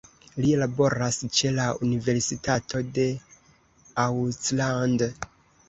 Li laboras ĉe la Universitato de Auckland.